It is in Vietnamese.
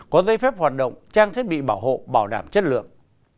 có dây phép hoạt động trang thiết bị bảo hộ bảo đảm chất lượng